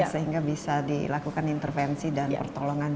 sehingga bisa dilakukan intervensi dan pertolongan